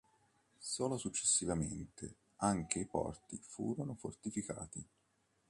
Solo successivamente anche i porti furono fortificati.